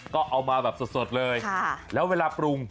ก็เอามาแบบสดเลยแล้วเวลาปรุง